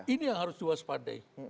ini yang harus jual sepandai